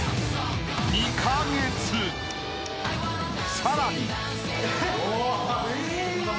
［さらに］